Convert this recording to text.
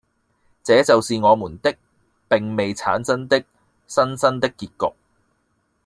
這就是我們的並未產生的《新生》的結局。